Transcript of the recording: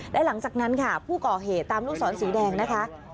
และหลังจากนั้นค่ะผู้ก่อเหตุตามลูกศรสีแดงนะคะ